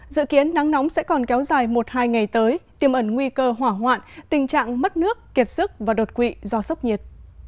dự kiến nắng nóng sẽ còn kéo dài một hai ngày tới tiêm ẩn nguy cơ hỏa hoạn tình trạng mất nước kiệt sức và đột quỵ do sốc nhiệt